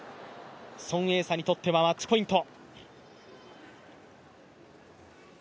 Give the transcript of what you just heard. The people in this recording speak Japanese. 孫エイ莎にとってはマッチポイント。